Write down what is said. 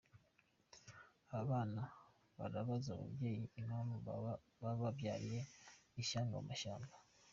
Aba bana barabaza ababyeyi impamvu bababyariye ishyanga mu mashyamba.